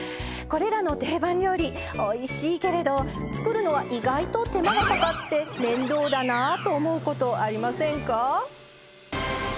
これらの定番料理おいしいけれど作るのは意外と手間がかかって面倒だなと思うことありませんか？